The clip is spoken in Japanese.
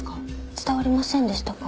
伝わりませんでしたか？